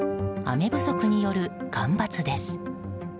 雨不足による干ばつです。